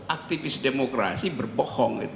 aktivis demokrasi berbohong